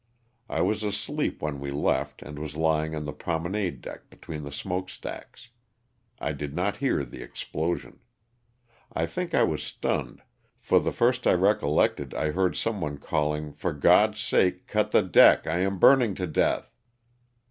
I was asleep when we left and was lying on the promenade deck between the smoke stacks. I did not hear the explosion. I think I was stunned, for the first I recol lected I heard some one calling ''for God's sake, cut the deck, I am burning to death."